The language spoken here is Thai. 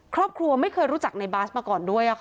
ครอบครัวไม่เคยรู้จักในบาสมาก่อนด้วย